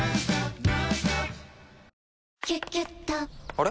あれ？